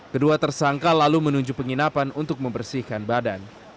kedua tersangka lalu menuju penginapan untuk membersihkan badan